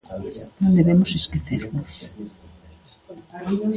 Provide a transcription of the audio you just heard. Non debemos esquecernos.